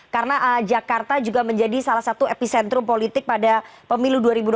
karena jakarta juga menjadi salah satu epicentrum politik pada pemilu dua ribu dua puluh empat